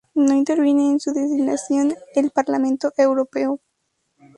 No interviene en su designación el Parlamento Europeo.